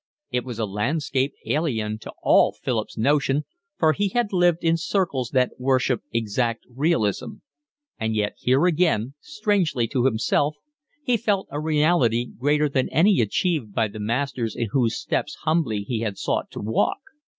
It was a landscape alien to all Philip's notion, for he had lived in circles that worshipped exact realism; and yet here again, strangely to himself, he felt a reality greater than any achieved by the masters in whose steps humbly he had sought to walk.